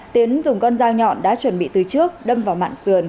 tiến dùng con dao nhọn đã chuẩn bị từ trước đâm vào mạng sườn